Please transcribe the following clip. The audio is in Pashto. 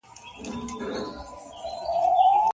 د چا مال په زور مه اخلئ.